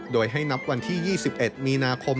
โดยให้นับวันที่๒๑มีนาคม